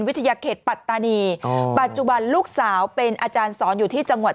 เขตปัตตานีปัจจุบันลูกสาวเป็นอาจารย์สอนอยู่ที่จังหวัด